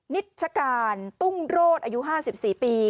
นิชการตุ้งโรศอายุ๕๔ปี